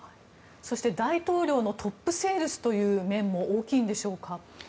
そして大統領のトップセールスという面も大きいんでしょうか。